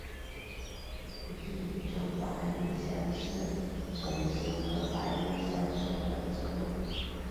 异株百里香是唇形科百里香属的植物。